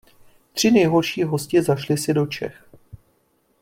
Tři nejhorší hosti zašli si do Čech.